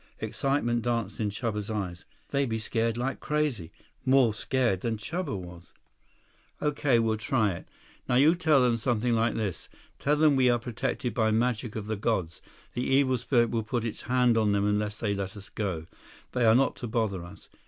Excitement danced in Chuba's eyes. "They be scared like crazy. More scared than Chuba was." "Okay. We'll try it. Now you tell them something like this. Tell them we are protected by magic of the gods. The evil spirit will put its hand on them unless they let us go. They are not to bother us.